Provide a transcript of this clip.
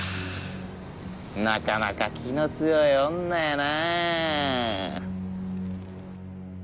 なかなか気の強い女やな。